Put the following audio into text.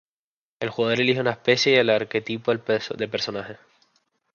El jugador elije una especie y el arquetipo de personaje.